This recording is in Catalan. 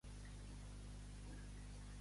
Has estat mai a Los Montesinos?